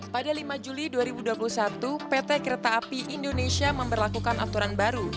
pada lima juli dua ribu dua puluh satu pt kereta api indonesia memperlakukan aturan baru